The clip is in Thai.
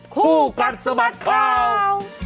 คู่กันสมัครข่าว